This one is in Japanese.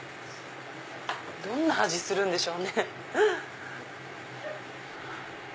どんな味するんでしょうね？